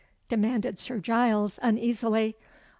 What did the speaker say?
demanded Sir Giles, uneasily.